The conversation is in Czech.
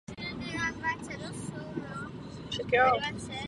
Útok proběhl také na Přerov a Kroměříž.